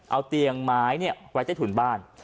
เอาเตียงไม้ไว้ใต้ถุนบ้าน